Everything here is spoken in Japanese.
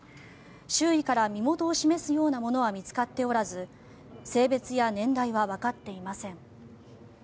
周囲から身元を示すようなものは見つかっておらず性別や年代はわかっていません。